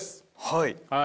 はい。